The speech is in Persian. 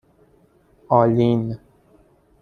آلین